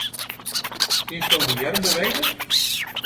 Kinsto de earm bewege?